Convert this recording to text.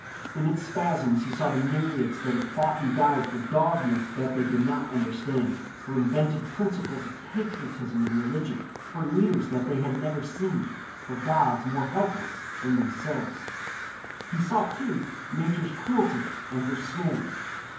In its spasms he saw the myriads that have fought and died for dogmas that they did not understand, for invented principles of patriotism and religion, for leaders that they had never seen, for gods more helpless than themselves. He saw, too, Nature's cruelty and her snares.